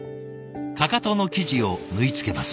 かかとの生地を縫い付けます。